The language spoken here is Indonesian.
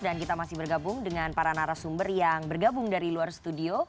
dan kita masih bergabung dengan para narasumber yang bergabung dari luar studio